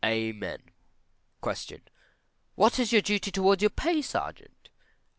Amen. Q. What is your duty towards your pay sergeant? _A.